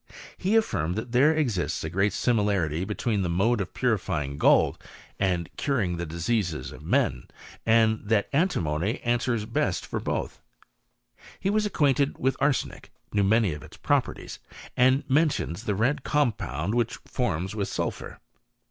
He affirmed^ that thete exiittf a great similarity between the mode of putifjrin^ gold and curing the diseases df men, and that antimony answers best for both. He was acquainted with arsenic, knew, many of its properties, and mentions the red compound Which it forms with sulphur.